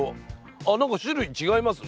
あなんか種類違いますね。